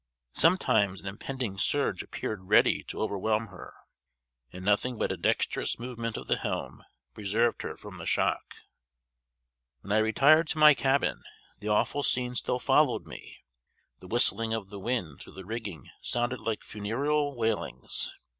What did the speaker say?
Sometimes an impending surge appeared ready to overwhelm her, and nothing but a dexterous movement of the helm preserved her from the shock. When I retired to my cabin, the awful scene still followed me. The whistling of the wind through the rigging sounded like funereal wailings.